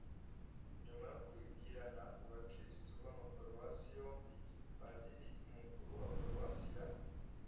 nyuma yo kwibwirana ku bakristu b’ama paruwasi yombi, padiri mukuru wa paruwasi ya